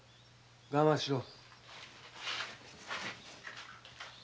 我慢しろ。